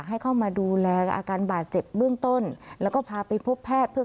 ให้เข้ามาดูแลอาการบาดเจ็บเบื้องต้นแล้วก็พาไปพบแพทย์เพื่อ